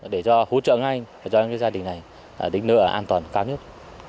để cho hỗ trợ ngay cho những gia đình này đến nơi ở an toàn cao nhất